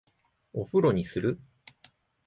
お風呂にする？